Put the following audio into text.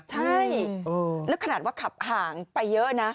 ใช่แล้วขนาดว่าขับห่างไปเยอะนะ